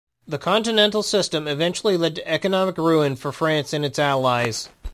The Continental System eventually led to economic ruin for France and its allies.